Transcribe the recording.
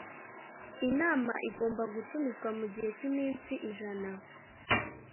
inama igomba gutumizwa mugihe cy ‘iminsi ijana.